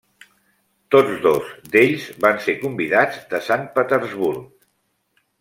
Tots dos d'ells van ser convidats de Sant Petersburg.